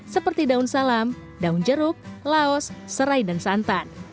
seperti daun salam daun jeruk laos serai dan santan